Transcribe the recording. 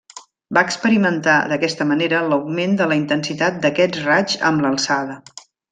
Va experimentar d'aquesta manera l'augment de la intensitat d'aquests raigs amb l'alçada.